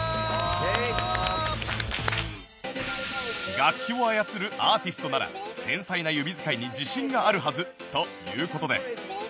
楽器を操るアーティストなら繊細な指使いに自信があるはずという事で